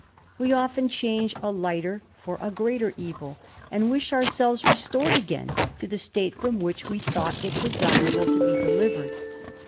We often change a lighter for a greater evil, and wish ourselves restored again to the state from which we thought it desirable to be delivered.